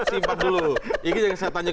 itu yang ingin saya tanyakan selanjutnya